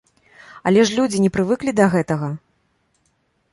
Але ж людзі не прывыклі да гэтага!